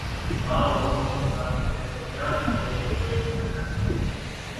تھا اور اس کے ساتھ احتجاج سے بھی گریز کرنا چاہیے۔